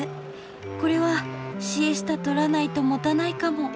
これはシエスタとらないともたないかも。